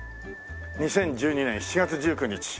２０１２年７月１９日。